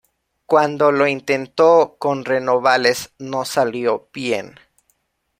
Cuando lo intentó con Renovales no salió bien.